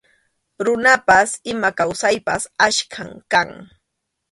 Runapas ima kawsaypas achkam kan.